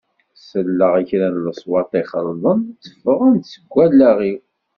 Selleɣ i kra n leṣwat ixelḍen tteffɣen-d seg wallaɣ-iw.